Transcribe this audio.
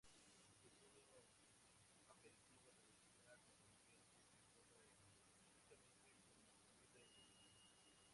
Es un aperitivo tradicional puertorriqueño que se come típicamente como comida independiente.